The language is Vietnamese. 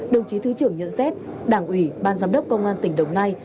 đồng chí thứ trưởng nhận xét đảng ủy ban giám đốc công an tỉnh đồng nai